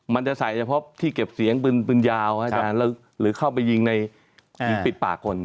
มันจะใส่เฉพาะที่เก็บเสียงปืนยาวหรือเข้าไปยิงในยิงปิดปากคน